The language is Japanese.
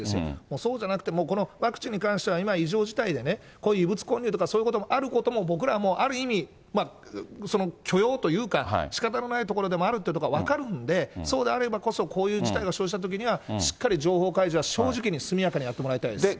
そうじゃなくて、ワクチンに関しては今、異常事態でね、こういう異物混入とか、そういうことがあることも僕らはもうある意味、許容というか、しかたのないところでもあるっていうことは分かるんで、そうであればこそ、こういう事態が生じたときには、しっかり情報開示は正直に速やかにやってもらいたいです。